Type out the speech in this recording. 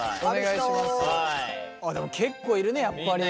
でも結構いるねやっぱり。